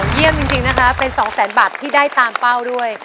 เยี่ยมจริงนะคะเป็น๒แสนบาทที่ได้ตามเป้าด้วย